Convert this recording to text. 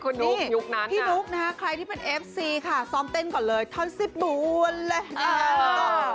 นี่พี่นุกใครที่เป็นเอฟซีซ้อมเต้นก่อนเลยธรรมศิบบวรรณ์